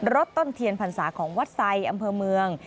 ต้นเทียนพรรษาของวัดไซด์อำเภอเมือง